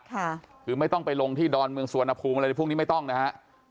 ค่ะคือไม่ต้องไปลงที่ดอนเมืองสุวรรณภูมิอะไรพวกนี้ไม่ต้องนะฮะ